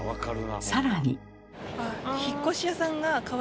さらに。